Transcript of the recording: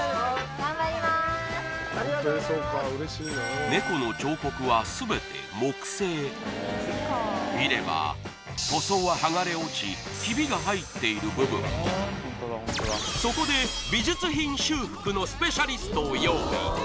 頑張りまーす見れば塗装は剥がれ落ちヒビが入っている部分もそこで美術品修復のスペシャリストを用意